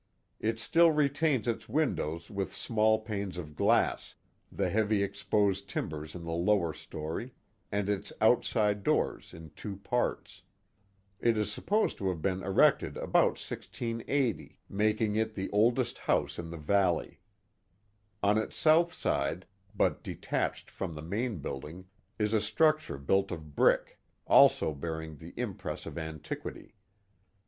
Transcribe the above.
It still retains its windows with small panes of glass, the heavy exposed timbers in the lower story, and its outside doors in two parts. It is supposed to have been erected about 1680, making it 74 The Mohawk Valley the oldest house in the valley. On its south side, but de tached from the main building, is a structure built of brick, also bearing the impress of antiquity.